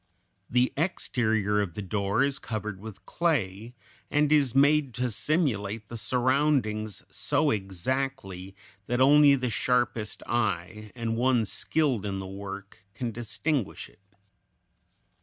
The exterior of the door is covered with clay, and is made to simulate the surroundings so exactly that only the sharpest eye, and one skilled in the work, can distinguish it.